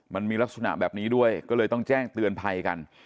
มันมีลักษณะแบบนี้ด้วยก็เลยต้องแจ้งเตือนภัยกัน